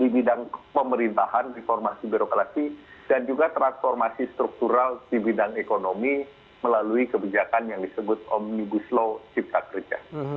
di bidang pemerintahan reformasi birokrasi dan juga transformasi struktural di bidang ekonomi melalui kebijakan yang disebut omnibus law cipta kerja